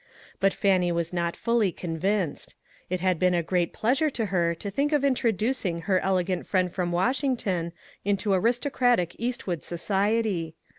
But Fannie was not fully convinced. It had been a great pleasure to her to think of introducing ENGAGEMENTS. 249 her elegant friend from Washington into aristocratic Eastwood society.